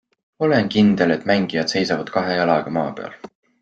Olen kindel, et mängijad seisavad kahe jalaga maa peal.